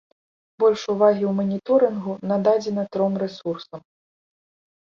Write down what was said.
Больш увагі ў маніторынгу нададзена тром рэсурсам.